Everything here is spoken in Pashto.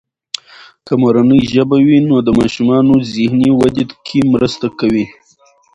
که مورنۍ ژبه وي، نو د ماشومانو ذهني ودې کې مرسته کوي.